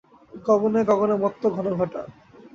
গগনে গগনে মত্ত ঘনঘটা।